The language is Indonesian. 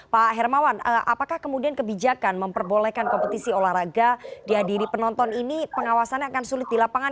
pak hermawan apakah kemudian kebijakan memperbolehkan kompetisi olahraga dihadiri penonton ini pengawasannya akan sulit di lapangan